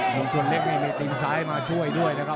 มุ่งชนเล็กนี่มันใต้มาช่วยด้วยนะครับ